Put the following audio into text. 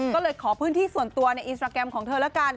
ก็เลยขอพื้นที่ส่วนตัวในอินสตราแกรมของเธอแล้วกัน